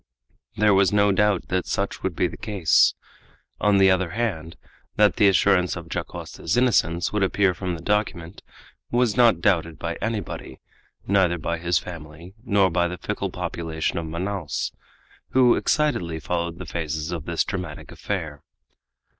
There was no doubt that such would be the case. On the other hand, that the assurance of Dacosta's innocence would appear from the document, was not doubted by anybody, neither by his family nor by the fickle population of Manaos, who excitedly followed the phases of this dramatic affair.